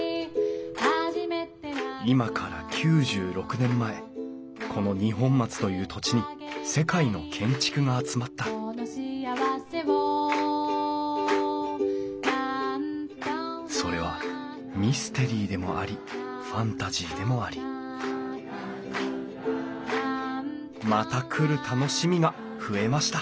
今から９６年前この二本松という土地に世界の建築が集まったそれはミステリーでもありファンタジーでもありまた来る楽しみが増えました